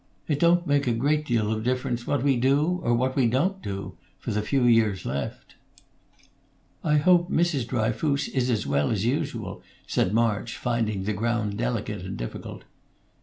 "It don't make a great deal of difference what we do or we don't do, for the few years left." "I hope Mrs. Dryfoos is as well as usual," said March, finding the ground delicate and difficult.